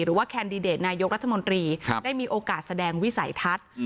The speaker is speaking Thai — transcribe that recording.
แคนดิเดตนายกรัฐมนตรีได้มีโอกาสแสดงวิสัยทัศน์